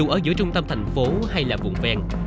ở giữa trung tâm thành phố hay là vùng ven